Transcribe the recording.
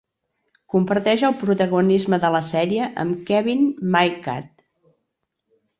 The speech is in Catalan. Comparteix el protagonisme de la sèrie amb Kevin McKidd.